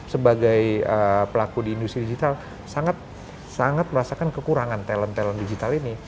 sebagai pelaku di industri digital sangat merasakan kekurangan talent talent digital ini